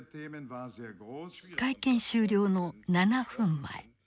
会見終了の７分前